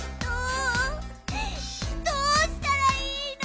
どうしたらいいの！？